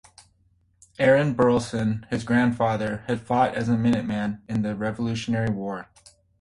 Aaron Burleson, his grandfather, had fought as a minuteman in the Revolutionary War.